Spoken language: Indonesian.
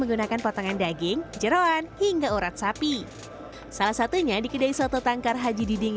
menggunakan potongan daging jerawan hingga urat sapi salah satunya di kedai soto tangkar haji diding